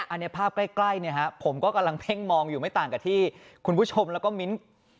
อันนี้ภาพใกล้ผมก็กำลังเพ่งมองอยู่ไม่ต่างกับที่ชมแล้วก็มิ้น